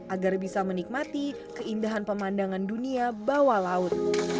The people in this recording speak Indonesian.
agar bisa menikmati keindahan pemandangan dunia bawah laut